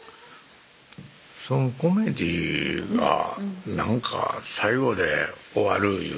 そのコメディーがなんか最後で終わるいうのがね